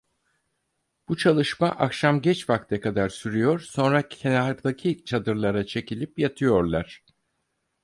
Bu çalışma akşam geç vakte kadar sürüyor, sonra kenardaki çadırlara çekilip yatıyorlar.